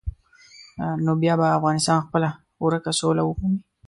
نو بیا به افغانستان خپله ورکه سوله ومومي.